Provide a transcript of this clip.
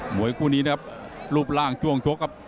วยคู่นี้นะครับรูปร่างช่วงชกครับ